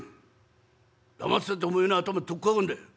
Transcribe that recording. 黙ってたっておめえの頭取っかかんだよ」。